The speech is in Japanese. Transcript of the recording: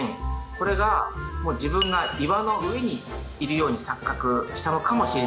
これが自分が岩の上にいるように錯覚したのかもしれないし。